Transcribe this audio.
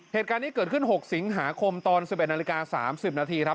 เหตุการณ์นี้เกิดขึ้น๖สิงหาคมตอน๑๑นาฬิกา๓๐นาทีครับ